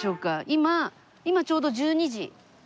今今ちょうど１２時。